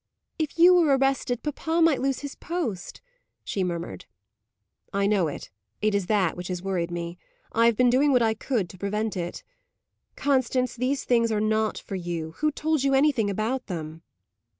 "If you were arrested, papa might lose his post," she murmured. "I know it; it is that which has worried me. I have been doing what I could to avert it. Constance, these things are not for you. Who told you anything about them?"